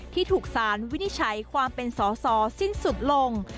ที่ถูกสารวินิจฉัยความเป็นสอสอสิ้นสุดลง